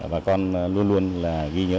bà con luôn luôn ghi nhớ